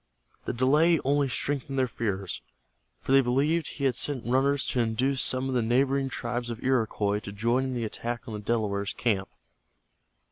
The delay only strengthened their fears, for they believed he had sent runners to induce some of the neighboring tribes of Iroquois to join in the attack on the Delaware camp.